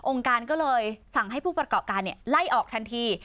การก็เลยสั่งให้ผู้ประกอบการไล่ออกทันที